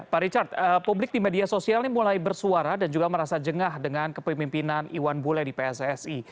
pak richard publik di media sosial ini mulai bersuara dan juga merasa jengah dengan kepemimpinan iwan bule di pssi